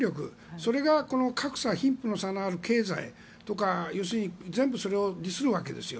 それが格差、貧富の差のある経済とか要するに、全部それを利するわけですよ。